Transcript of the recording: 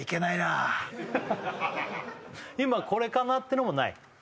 今これかなってのもない？